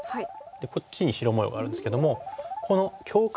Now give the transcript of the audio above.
こっちに白模様があるんですけどもこの境界線ですよね。